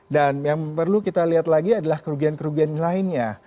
dan yang perlu kita lihat lagi adalah kerugian kerugian lainnya